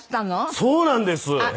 そうなんです。